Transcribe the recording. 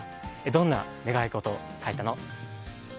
どんな願い事書いたの？